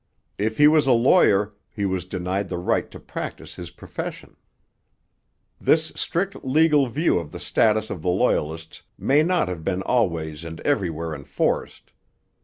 If he was a lawyer, he was denied the right to practise his profession. This strict legal view of the status of the Loyalist may not have been always and everywhere enforced.